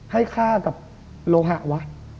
ให้ฆ่ากับโลหะวะ